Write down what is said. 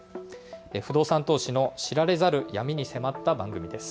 不動産投資の知られざる闇に迫った番組です。